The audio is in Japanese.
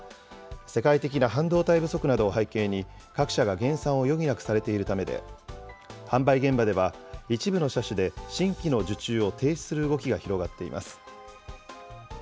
世界的な半導体不足などを背景に、各社が減産を余儀なくされているためで、販売現場では、一部の車種で新規の受注を停止する動きが広がっています。